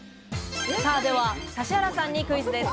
では指原さんにクイズです。